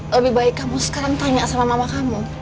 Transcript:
lebih baik kamu sekarang tanya sama mama kamu